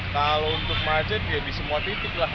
kalau untuk macet ya di semua titik lah